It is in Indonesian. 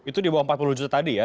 itu di bawah empat puluh juta tadi ya